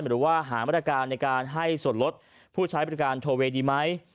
หรือว่าหาแบตการณ์ในการให้สดลดผู้ใช้บินการโทรเวนี่ดีไหม